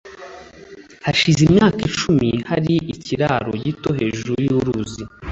hashize imyaka icumi hari ikiraro gito hejuru yuruzi